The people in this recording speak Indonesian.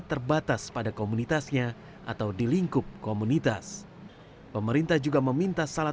terbatas pada komunitasnya atau di lingkup komunitas pemerintah juga meminta salah